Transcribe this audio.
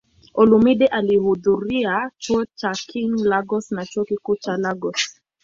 Olumide alihudhuria Chuo cha King, Lagos na Chuo Kikuu cha Lagos.